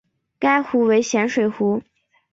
该湖为咸水湖。